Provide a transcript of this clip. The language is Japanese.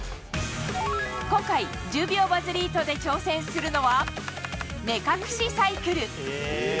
今回、１０秒バズリートで挑戦するのは、目隠しサイクル。